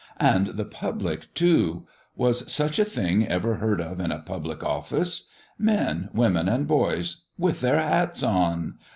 And the public too! Was such a thing ever heard of in a public office? Men, women, and boys, with their hats on!